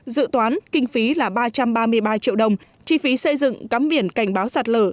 dự toán kinh phí là ba trăm ba mươi ba triệu đồng chi phí xây dựng cắm biển cảnh báo sạt lở